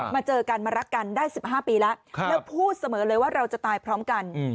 เจอกันมารักกันได้๑๕ปีแล้วแล้วพูดเสมอเลยว่าเราจะตายพร้อมกัน